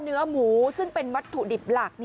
เนื้อหมูซึ่งเป็นวัตถุดิบหลัก